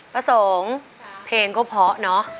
ประสงค์เพลงก็เพราะเนอะ